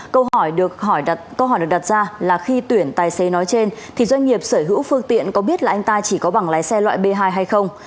câu hỏi được đặt ra là khi tuyển tài xế nói trên doanh nghiệp sở hữu phương tiện có biết là anh ta chỉ có bằng lái xe loại b hai hay không